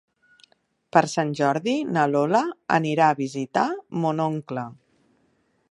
Per Sant Jordi na Lola anirà a visitar mon oncle.